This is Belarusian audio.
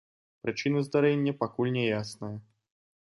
Прычына здарэння пакуль няясная.